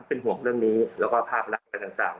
เป็นห่วงเรื่องนี้แล้วก็ภาพรักกันต่าง